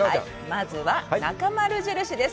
まずはなかまる印です。